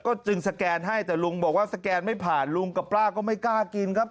ก็จึงสแกนให้แต่ลุงบอกว่าสแกนไม่ผ่านลุงกับป้าก็ไม่กล้ากินครับ